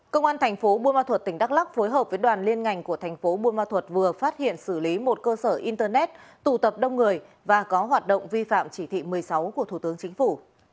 công an thành phố buôn ma thuật tỉnh đắk lắc phối hợp với đoàn liên ngành của thành phố buôn ma thuật vừa phát hiện xử lý một cơ sở internet tụ tập đông người và có hoạt động vi phạm chỉ thị một mươi sáu của thủ tướng chính phủ